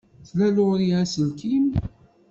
Tla Laurie aselkim?